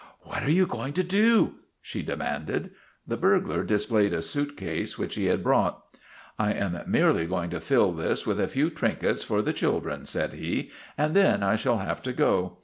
" What are you going to do? " she demanded. The burglar displayed a suit case which he had brought. " I am merely going to fill this with a few trinkets for the children," said he, " and then I shall have to go.